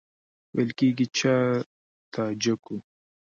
ویل کېږي چې تاجک وو.